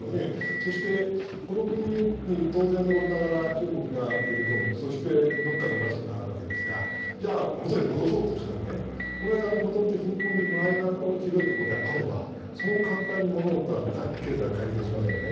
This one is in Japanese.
そして、この国に当然のことながら中国が入れ込むそして、どこかでおかしくなるわけですがじゃあ、元に戻そうとしても元々、貧困で腐敗がひどいところであればそう簡単に物事、経済は回転しませんよね。